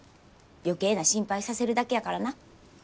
余計な心配させるだけやからな。